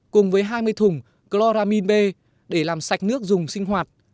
cùng với hai mươi thùng chloramin b để làm sạch nước dùng sinh hoạt